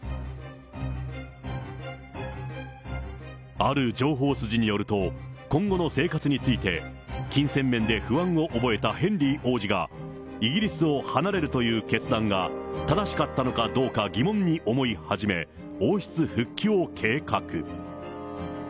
ある情報筋によると、今後の生活について、金銭面で不安を覚えたヘンリー王子が、イギリスを離れるという決断が正しかったのかどうか疑問に思い始め、王室復帰を計画。